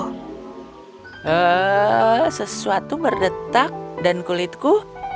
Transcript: sesuatu berdetak dan kulitku